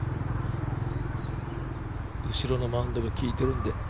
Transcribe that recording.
後ろのマウンドがきいてるんで。